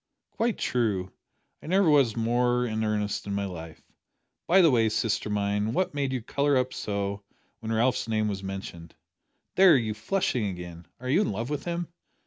"Quite true; I never was more in earnest in my life. By the way, sister mine, what made you colour up so when Ralph's name was mentioned? There, you're flushing again! Are you in love with him?"